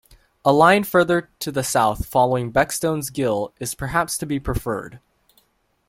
A line further to the south following Beckstones Gill is perhaps to be preferred.